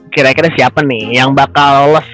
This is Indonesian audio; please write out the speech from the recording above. kira kira siapa nih yang bakal lolos